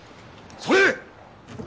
それ！